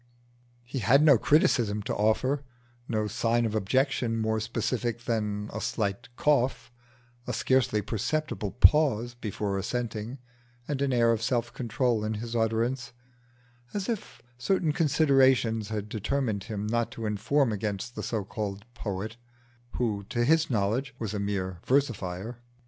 He had no criticism to offer, no sign of objection more specific than a slight cough, a scarcely perceptible pause before assenting, and an air of self control in his utterance as if certain considerations had determined him not to inform against the so called poet, who to his knowledge was a mere versifier.